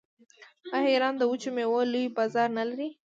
آیا ایران د وچو میوو لوی بازار نلري؟